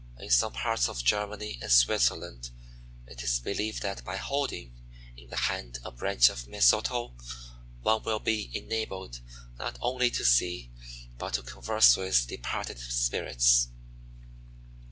In some parts of Germany and Switzerland it is believed that by holding in the hand a branch of Mistletoe one will be enabled not only to see, but to converse with departed spirits.